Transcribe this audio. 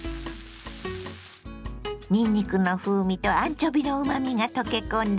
にんにくの風味とアンチョビのうまみが溶け込んだ